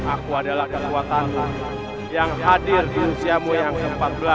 aku adalah kekuatanmu yang hadir di usiamu yang ke empat belas